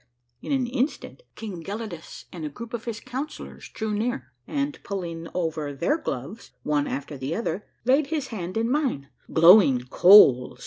" In an instant King Gelidus and a group of his councillors drew near, and, pulling over their gloves, one after the other laid his hand in mine. "Glowing coals